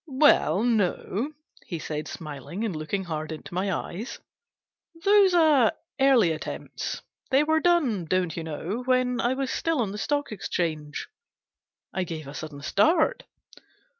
" Well, no/' he said, smiling, and looking hard into my eyes ;" those are early attempts. They were done, don't you know, when I was still on the Stock Exchange." 340 GENERAL PASSAVANT'S WILL. I gave a sudden start.